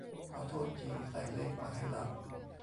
ขอโทษที ใส่เลขมาให้ละ